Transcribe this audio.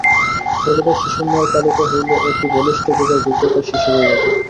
সর্বদাই শিশুর ন্যায় পালিত হইলে অতি বলিষ্ঠ যুবাও দীর্ঘকায় শিশু হইয়া যায়।